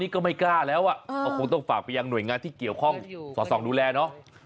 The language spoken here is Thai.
ก็ไม่กล้าแล้วก็คงต้องฝากไปยังหน่วยงานที่เกี่ยวข้องสอดส่องดูแลเนาะ